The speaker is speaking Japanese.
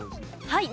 はい。